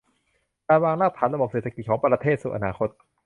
การวางรากฐานระบบเศรษฐกิจของประเทศสู่อนาคต